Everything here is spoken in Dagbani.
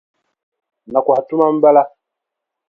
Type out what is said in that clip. Nakɔha tuma m-bala.